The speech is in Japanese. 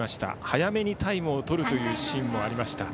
早めにタイムを取るというシーンもありました。